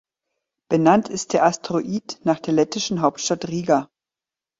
Benannt ist der Asteroid nach der lettischen Hauptstadt Riga.